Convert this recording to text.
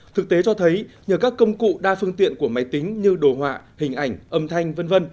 thực tế cho thấy nhờ các công cụ đa phương tiện của máy tính như đồ họa hình ảnh âm thanh v v